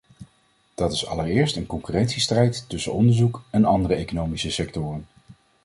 Dat is allereerst een concurrentiestrijd tussen onderzoek en andere economische sectoren.